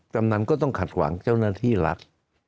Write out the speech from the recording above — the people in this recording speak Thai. ำนันก็ต้องขัดหวังเจ้าหน้าที่รัฐ